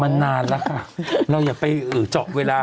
มันนานแล้วค่ะเราอย่าไปเจาะเวลา